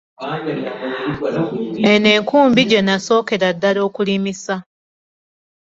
Eno enkumbi gye nasookera ddala okulimisa.